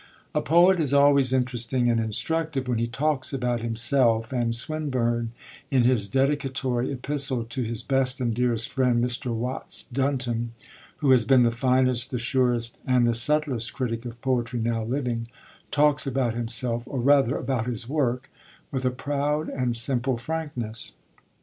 A poet is always interesting and instructive when he talks about himself, and Swinburne, in his dedicatory epistle to his 'best and dearest friend,' Mr. Watts Dunton, who has been the finest, the surest, and the subtlest critic of poetry now living, talks about himself, or rather about his work, with a proud and simple frankness.